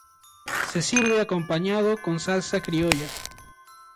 Se sirve acompañado con salsa criolla.